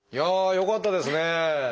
よかったです。